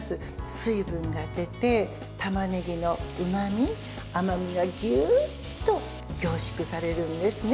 水分が出てたまねぎのうまみ、甘みがギュッと凝縮されるんですね。